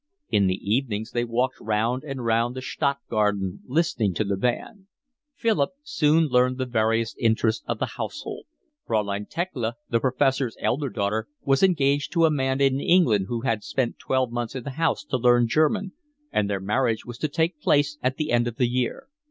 In the evenings they walked round and round the Stadtgarten, listening to the band. Philip soon learned the various interests of the household. Fraulein Thekla, the professor's elder daughter, was engaged to a man in England who had spent twelve months in the house to learn German, and their marriage was to take place at the end of the year.